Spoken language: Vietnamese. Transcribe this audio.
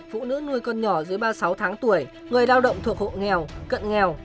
phụ nữ nuôi con nhỏ dưới ba mươi sáu tháng tuổi người lao động thuộc hộ nghèo cận nghèo